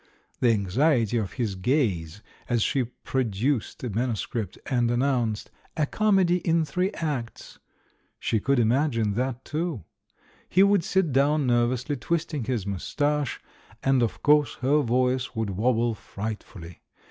The anxiety of his gaze as she produced the man uscript and announced "A Comedy in Tliree Acts," she could imagine that too ! He would sit down nervously, twisting his moustache, and, of course, her voice would wobble frightfully.